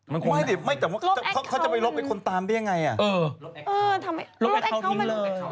ไม่จำว่าเขาจะไปลบไปคนตามได้ยังไงอะเออลบแอคเคาน์ไปลบแอคเคาน์ทิ้งเลย